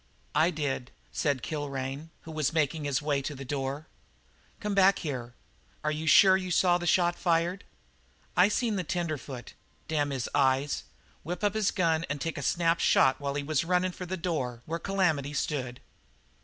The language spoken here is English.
"I did," said Kilrain, who was making his way to the door. "Come back here. Are you sure you saw the shot fired?" "I seen the tenderfoot damn his eyes! whip up his gun and take a snap shot while he was runnin' for the door where Calamity stood."